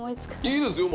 いいですよ。